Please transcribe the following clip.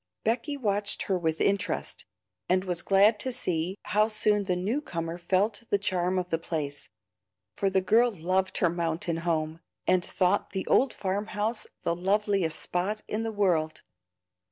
Becky watched her with interest, and was glad to see how soon the new comer felt the charm of the place, for the girl loved her mountain home, and thought the old farm house the loveliest spot in the world.